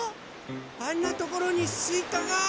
あんなところにすいかが！